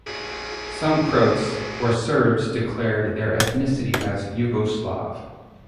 Some Croats or Serbs declared their ethnicity as Yugoslav.